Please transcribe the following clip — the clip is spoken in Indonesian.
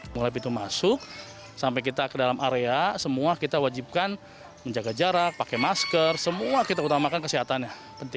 mulai pintu masuk sampai kita ke dalam area semua kita wajibkan menjaga jarak pakai masker semua kita utamakan kesehatannya